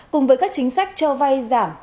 cùng với các chính sách cho vai giảm